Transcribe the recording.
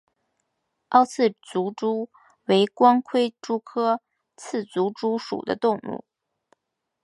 凹刺足蛛为光盔蛛科刺足蛛属的动物。